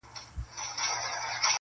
• معلم وویل بزګر ته چي دا ولي -